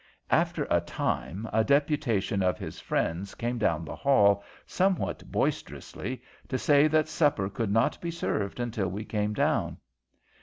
After a time a deputation of his friends came down the hall, somewhat boisterously, to say that supper could not be served until we came down.